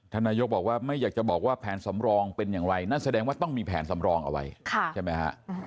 นายกบอกว่าไม่อยากจะบอกว่าแผนสำรองเป็นอย่างไรนั่นแสดงว่าต้องมีแผนสำรองเอาไว้ใช่ไหมฮะ